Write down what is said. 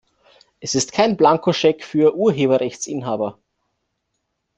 Es ist kein Blankoscheck für Urheberrechtsinhaber.